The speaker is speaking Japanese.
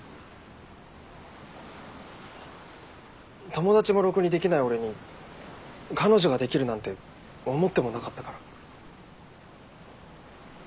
友達もろくにできない俺に彼女ができるなんて思ってもなかったから。